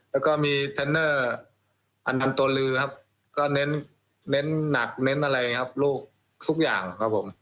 แล้วก็มีเทรนเนอร์พันตัวลือครับก็เน้นหนักเน้นอะไรครับลูกทุกอย่างครับผม